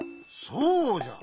そうじゃ。